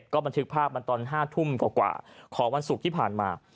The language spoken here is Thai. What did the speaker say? ก็บันทึกภาพมันตอน๕ทุ่มกว่าของวันศุกร์ที่ผ่านมา